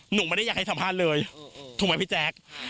หนูไม่ได้อยากให้สัมภาษณ์เลยถูกไหมพี่แจ๊ค